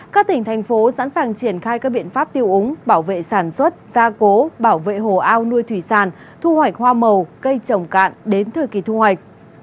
các tỉnh thành phố sẵn sàng triển khai các biện pháp tiêu úng bảo vệ sản xuất gia cố bảo vệ hồ ao nuôi thủy sản thu hoạch hoa màu cây trồng cạn đến thời kỳ thu hoạch